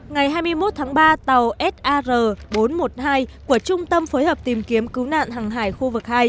ngày hai mươi một tháng ba tàu sar bốn trăm một mươi hai của trung tâm phối hợp tìm kiếm cứu nạn hàng hải khu vực hai